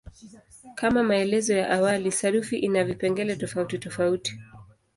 Kama maelezo ya awali, sarufi ina vipengele tofautitofauti.